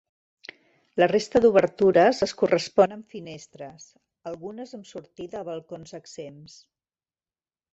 La resta d'obertures es correspon amb finestres, algunes amb sortida a balcons exempts.